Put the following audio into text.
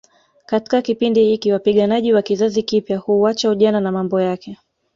Katika kipindi hiki wapiganaji wa kizazi kipya huuacha ujana na mambo yake